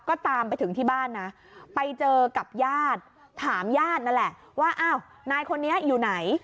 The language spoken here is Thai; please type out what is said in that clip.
ก็ตามไปถึงที่บ้านนะไปเจอกับญาติถามญาตินั่นแหละว่าอ้าวนายคนนี้อยู่ไหน